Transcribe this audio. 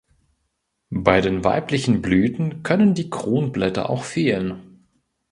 Bei den weiblichen Blüten können die Kronblätter auch fehlen.